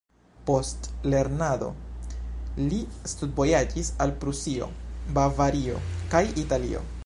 Post lernado li studvojaĝis al Prusio, Bavario kaj Italio.